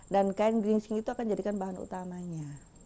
dan kain geringsing itu akan menjadikan bahan utamanya